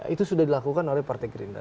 itu sudah dilakukan oleh partai gerindra